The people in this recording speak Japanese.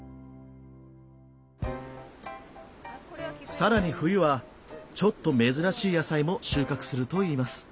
さらに冬はちょっと珍しい野菜も収穫するといいます。